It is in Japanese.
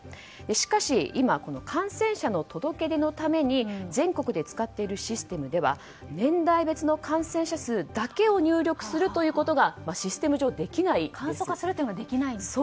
しかし、今この感染者の届け出のために全国で使っているシステムでは年代別の感染者数だけを入力するということがシステム上できないんです。